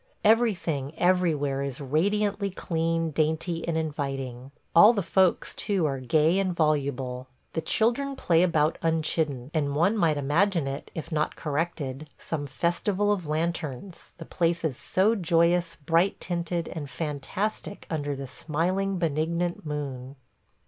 Everything, everywhere, is radiantly clean, dainty, and inviting. All the folks, too, are gay and voluble. The children play about unchidden; and one might imagine it, if not corrected, some Festival of Lanterns, the place is so joyous, bright tinted, and fantastic under the smiling, benignant moon.